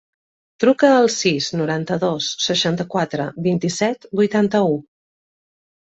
Truca al sis, noranta-dos, seixanta-quatre, vint-i-set, vuitanta-u.